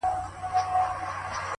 o يو نه دی چي و تاته په سرو سترگو ژاړي،